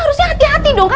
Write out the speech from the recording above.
terus lagi tolong